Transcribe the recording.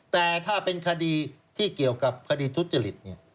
แต่ถ้าเป็นคดีที่เกี่ยวกับคดีทุจริต